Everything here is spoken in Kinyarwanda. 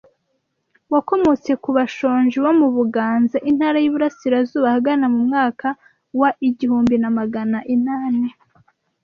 Wakomotse ku bashonji bo mu Buganza Intara y’i Burasirazuba ahagana mu mwaka wa igihumbi namagana inani